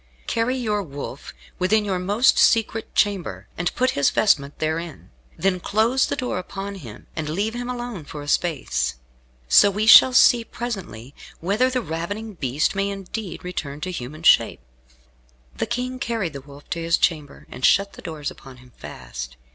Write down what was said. Carry your wolf within your most secret chamber, and put his vestment therein. Then close the door upon him, and leave him alone for a space. So we shall see presently whether the ravening beast may indeed return to human shape." The King carried the Wolf to his chamber, and shut the doors upon him fast.